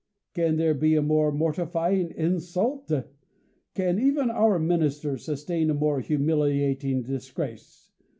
* Can there be a more mortifying insult ? Can even our ministers sustain a more humiliating disgrace